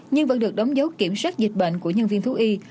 nhưng vẫn được đóng dấu kiểm soát dịch bệnh của nhân viên thú y